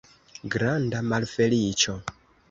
Granda malfeliĉo!